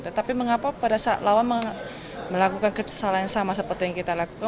tetapi mengapa pada saat lawan melakukan kesalahan yang sama seperti yang kita lakukan